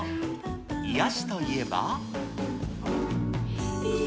癒やしといえば。